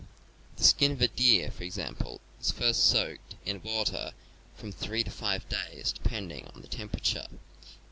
The skin of ^ a deer, for example, is first soaked in „ water from three to five days, depend ing upon temperature.